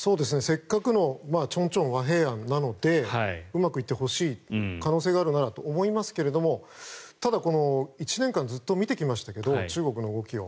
せっかくの和平案なのでうまくいってほしい可能性があるならと思いますがただ、１年間ずっと見てきましたけども中国の動きを。